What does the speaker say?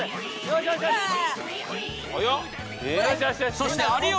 そして有吉。